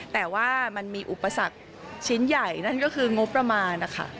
แต่ว่ามันมีอุปสรรคชิ้นใหญ่นั่นก็คืองบประมาณนะคะ